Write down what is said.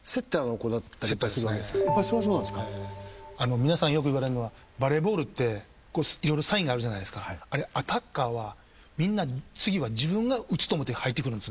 皆さんよく言われるのはバレーボールって色々サインがあるじゃないですかあれアタッカーはみんな次は自分が打つと思って入ってくるんですね。